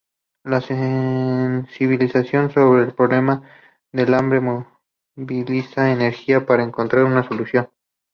La sensibilización sobre el problema del hambre moviliza energía para encontrar una solución.